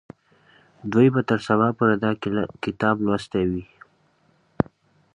دوی به تر سبا پورې دا کتاب لوستی وي.